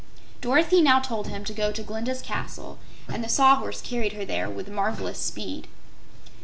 Dorothy now told him to go to Glinda's Castle and the Sawhorse carried her there with marvelous speed.